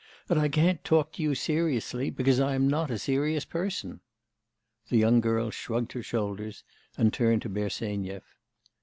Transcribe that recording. And I can't talk to you seriously, because I'm not a serious person.' The young girl shrugged her shoulders, and turned to Bersenyev.